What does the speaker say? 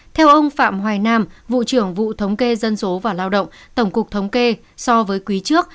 theo ông phạm hoài nam vụ trưởng vụ thống kê dân số và lao động tổng cục thống kê so với quý trước